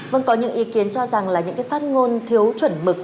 vâng có những ý kiến cho rằng là những cái phát ngôn thiếu chuẩn mực